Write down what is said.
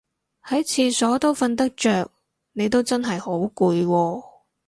喺廁所都瞓得着你都真係好攰喎